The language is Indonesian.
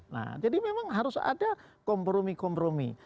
nah jadi memang harus ada kompromi kompromi